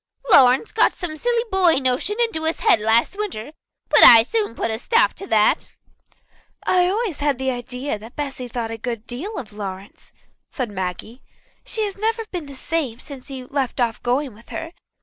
Lawrence got some silly boy notion into his head last winter, but I soon put a stop to that." "I always had an idea that Bessy thought a good deal of Lawrence," said Maggie. "She has never been the same since he left off going with her.